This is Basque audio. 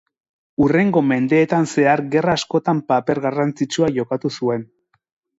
Hurrengo mendeetan zehar gerra askotan paper garrantzitsua jokatu zuen.